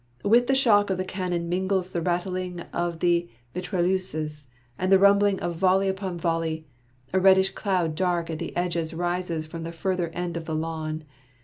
With the shock of the cannon mingles the rattling of the mitrailleuses, and the rumbling of volley upon volley ; a reddish cloud dark at the edges rises from the further end of the lawn.